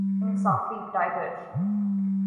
انصافی ٹائگر